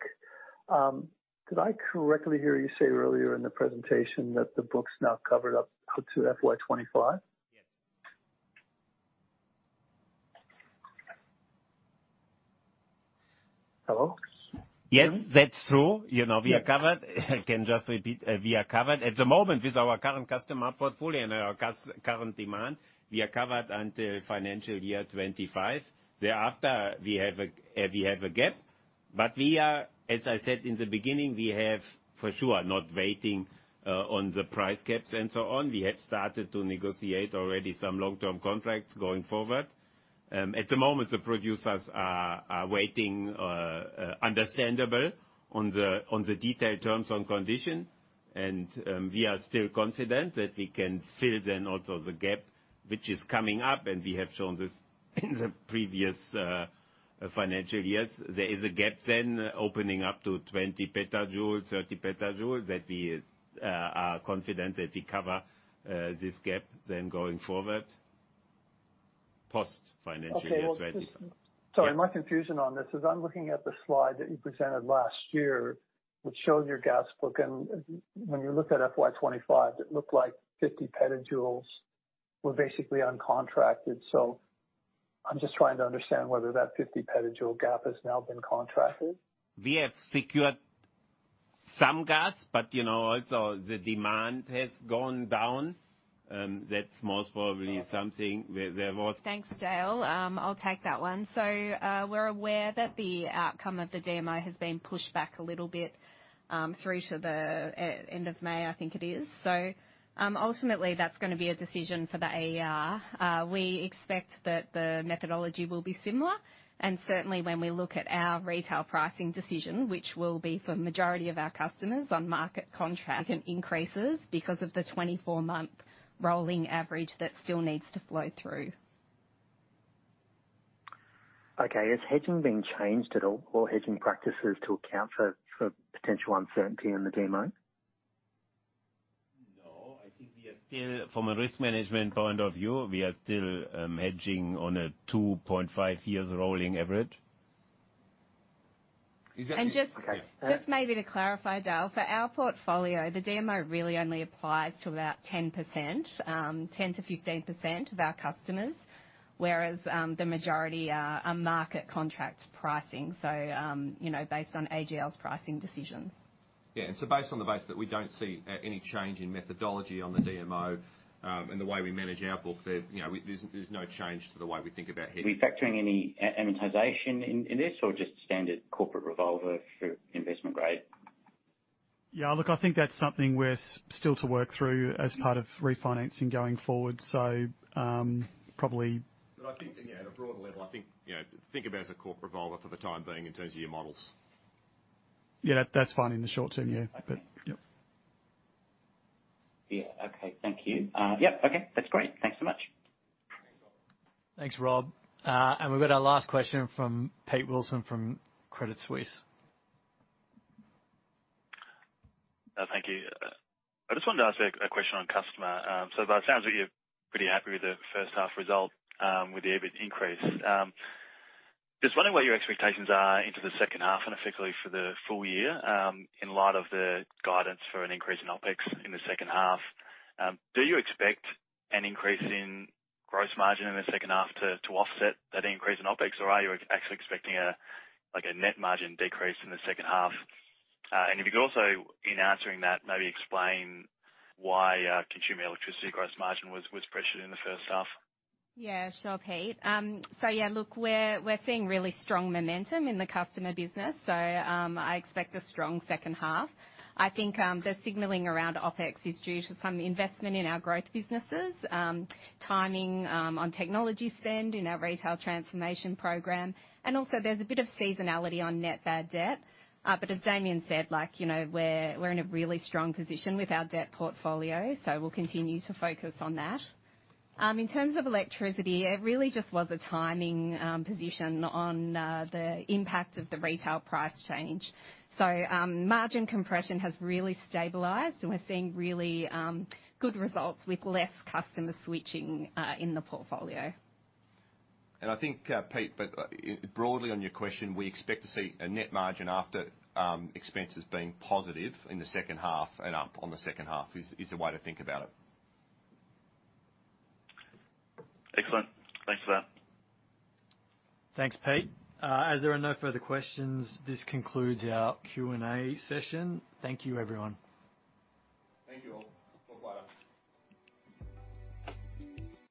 Did I correctly hear you say earlier in the presentation that the book's now covered up to FY 2025? Yes. Hello? Yes, that's true. You know we are covered. I can just repeat, we are covered. At the moment with our current customer portfolio and our current demand, we are covered until financial year 2025. Thereafter, we have a gap. We are, as I said in the beginning, we have for sure not waiting on the price caps and so on. We have started to negotiate already some long-term contracts going forward. At the moment, the producers are waiting understandable on the detailed terms and condition. We are still confident that we can fill then also the gap which is coming up. We have shown this in the previous financial years. There is a gap then opening up to 20 PJ, 30 PJ that we are confident that we cover this gap then going forward post financial year 2025. Okay, well. Yeah. Sorry, my confusion on this is I'm looking at the slide that you presented last year, which shows your gas book, and when you looked at FY 2025, it looked like 50 PJ were basically uncontracted. I'm just trying to understand whether that 50-PJ gap has now been contracted? We have secured some gas, but you know, also the demand has gone down. That's most probably something where there was- Thanks, Dale. I'll take that one. We're aware that the outcome of the DMO has been pushed back a little bit through to the end of May, I think it is. Ultimately, that's gonna be a decision for the AER. We expect that the methodology will be similar, and certainly when we look at our retail pricing decision, which will be for majority of our customers on market contract increases because of the 24-month rolling average that still needs to flow through. Okay. Has hedging been changed at all or hedging practices to account for potential uncertainty in the DMO? No, I think we are still from a risk management point of view, we are still hedging on a 2.5 years rolling average. Is that? And just- Okay. Just maybe to clarify, Dale, for our portfolio, the DMO really only applies to about 10%-15% of our customers, whereas, the majority are market contract pricing. You know, based on AGL's pricing decisions. Yeah. Based on the basis that we don't see any change in methodology on the DMO, and the way we manage our book there, you know, there's no change to the way we think about hedging. Are we factoring any amortization in this or just standard corporate revolver for investment grade? Look, I think that's something we're still to work through as part of refinancing going forward. I think, again, at a broader level, I think, you know, think of it as a corp revolver for the time being in terms of your models. Yeah. That's fine in the short term. Yeah. Okay. Yep. Yeah. Okay. Thank you. Yep, okay. That's great. Thanks so much. Thanks, Rob. We've got our last question from Pete Wilson from Credit Suisse. Thank you. I just wanted to ask a question on customer. By the sounds of it, you're pretty happy with the first half result, with the EBIT increase. Just wondering what your expectations are into the second half and effectively for the full year, in light of the guidance for an increase in OpEx in the second half. Do you expect an increase in gross margin in the second half to offset that increase in OpEx? Or are you actually expecting like a net margin decrease in the second half? If you could also, in answering that, maybe explain why our consumer electricity gross margin was pressured in the first half. Yeah, sure, Pete. Yeah, look, we're seeing really strong momentum in the customer business, so I expect a strong second half. I think the signaling around OpEx is due to some investment in our growth businesses. Timing on technology spend in our retail transformation program, and also there's a bit of seasonality on net bad debt. As Damien said, like, you know, we're in a really strong position with our debt portfolio, so we'll continue to focus on that. In terms of electricity, it really just was a timing position on the impact of the retail price change. Margin compression has really stabilized, and we're seeing really good results with less customer switching in the portfolio. I think, Pete, broadly on your question, we expect to see a net margin after expenses being positive in the second half and up on the second half is the way to think about it. Excellent. Thanks for that. Thanks, Pete. As there are no further questions, this concludes our Q&A session. Thank you, everyone. Thank you all. Talk later.